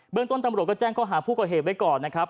เรื่องต้นตำรวจก็แจ้งข้อหาผู้ก่อเหตุไว้ก่อนนะครับ